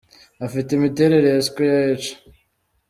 Afite imiterere ya square “H” .